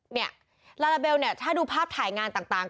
เนี่ยลาลาเบลถ้าดูภาพถ่ายงานต่าง